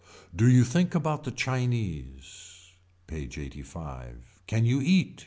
Do you think about the Chinese. PAGE LXXXV. Can you eat.